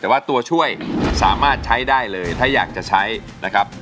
แต่ว่าตัวช่วยสามารถใช้ได้เลยถ้าอยากจะใช้นะครับ